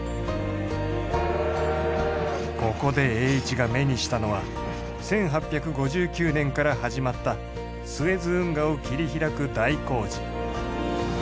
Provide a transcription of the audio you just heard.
ここで栄一が目にしたのは１８５９年から始まったスエズ運河を切り開く大工事。